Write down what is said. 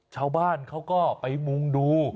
ชาวบ้านเขาก็ไปมุ่งดู